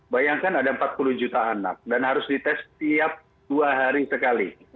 bayangkan ada empat puluh juta anak dan harus dites setiap dua hari sekali